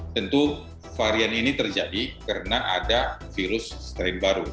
tentu varian ini terjadi karena ada virus strain baru